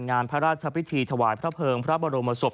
งานพระราชพิธีถวายพระเภิงพระบรมศพ